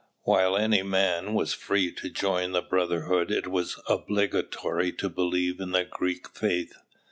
While any man was free to join the brotherhood it was obligatory to believe in the Greek faith.